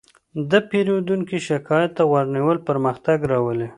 د پیرودونکي شکایت ته غوږ نیول پرمختګ راولي.